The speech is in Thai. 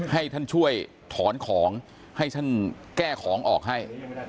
ให้ท่านช่วยถอนของให้ท่านแก้ของออกให้